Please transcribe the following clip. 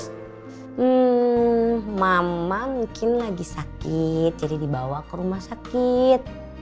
hmm mama mungkin lagi sakit jadi dibawa ke rumah sakit